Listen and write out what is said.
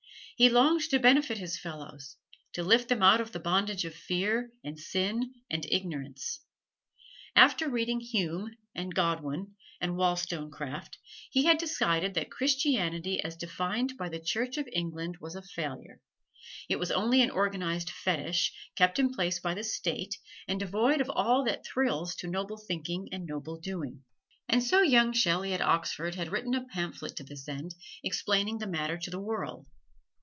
He longed to benefit his fellows, to lift them out of the bondage of fear, and sin, and ignorance. After reading Hume, and Godwin, and Wollstonecraft, he had decided that Christianity as defined by the Church of England was a failure: it was only an organized fetish, kept in place by the State, and devoid of all that thrills to noble thinking and noble doing. And so young Shelley at Oxford had written a pamphlet to this end, explaining the matter to the world.